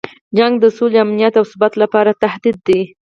جنګ د سولې، امنیت او ثبات لپاره تهدید دی.